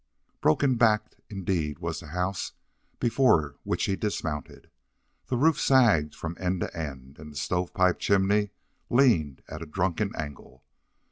Broken backed indeed was the house before which he dismounted. The roof sagged from end to end, and the stove pipe chimney leaned at a drunken angle.